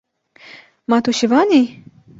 Ma tu şivan î?